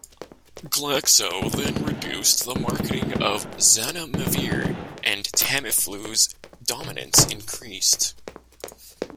Glaxo then reduced the marketing of zanamivir, and Tamiflu's dominance increased.